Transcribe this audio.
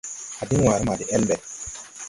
A diŋ wããre ma de el mbe.